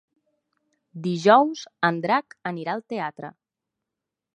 Dijous en Drac anirà al teatre.